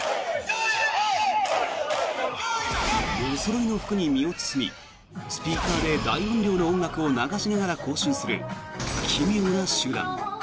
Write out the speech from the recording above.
おそろいの服に身を包みスピーカーで大音量の音楽を流しながら行進する奇妙な集団。